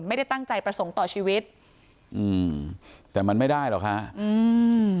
ไม่ได้ตั้งใจประสงค์ต่อชีวิตอืมแต่มันไม่ได้หรอกค่ะอืม